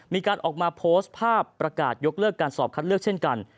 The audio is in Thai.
มีการออกมาโพสต์ภาพประกาศยกเลิกการสอบคัดเลือกเช่นกัน